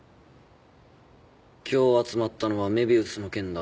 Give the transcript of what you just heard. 今日集まったのは愛美愛主の件だ。